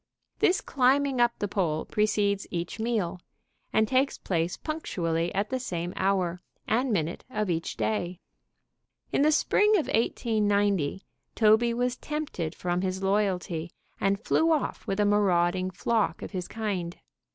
This climbing up the pole precedes each meal, and takes place punctually at the same hour and minute of each day. In the spring of 1890 Toby was tempted from his loyalty, and flew off with a marauding flock of his kind.